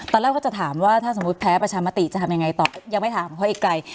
ตอนแรกเขาจะถามว่าถ้าสมมุติแพ้ประชามติจะทำยังไงต่อยังไม่ถามเขาอีกไกล